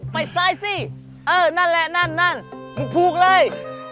ไปซ้ายสิเออนั่นแหละนั่นนั่นผูกเลย